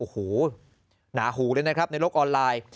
โอ้โหหนาหูเลยนะครับในโลกออนไลน์